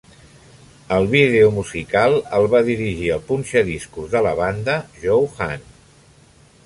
El vídeo musical el va dirigir el punxadiscos de la banda, Joe Hahn.